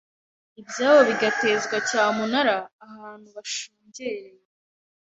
ibyabo bigatezwa cyamunara abantu bashungereye.